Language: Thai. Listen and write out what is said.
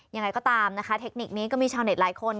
ยังไงก็ตามนะคะเทคนิคนี้ก็มีชาวเน็ตหลายคน